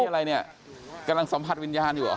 อะไรเนี่ยกำลังสัมผัสวิญญาณอยู่เหรอ